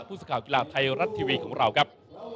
ผู้สื่อข่าวกีฬาไทยรัฐทีวีของเราครับ